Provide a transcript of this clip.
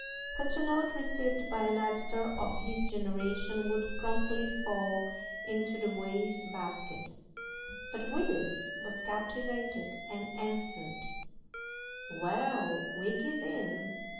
Such a note received by an editor of this generation would promptly fall into the waste basket. But Willis was captivated, and answered: "Well, we give in!